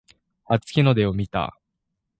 初日の出を見た